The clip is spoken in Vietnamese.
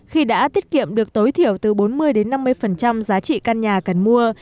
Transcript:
khi đã tiết kiệm được tối thiểu từ bốn mươi năm mươi giá trị căn nhà cần mua